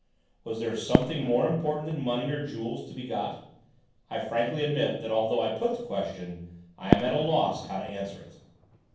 Was there something more important than money or jewels to be got? I frankly admit that although I put the question I am at a loss how to answer it."